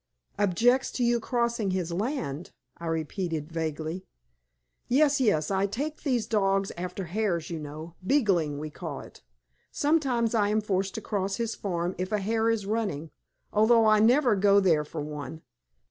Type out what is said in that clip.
"Objects to you crossing his land?" I repeated, vaguely. "Yes, yes. I take these dogs after hares, you know beagling, we call it. Sometimes I am forced to cross his farm if a hare is running, although I never go there for one.